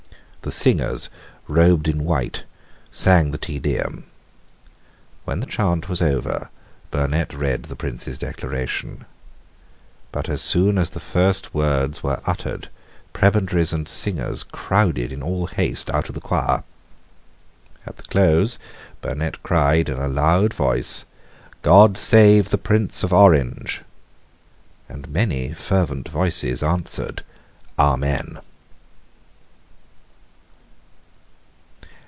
The singers, robed in white, sang the Te Deum. When the chaunt was over, Burnet read the Prince's Declaration: but as soon as the first words were uttered, prebendaries and singers crowded in all haste out of the choir. At the close Burnet cried in a loud voice, "God save the Prince of Orange!" and many fervent voices answered, "Amen."